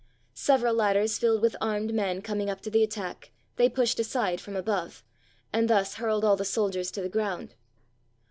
Several ladders filled with armed men coming up to the attack they pushed aside from above, and thus hurled all the soldiers to the ground.